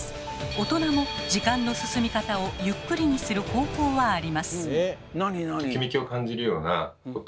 大人も時間の進み方をゆっくりにする方法はあります。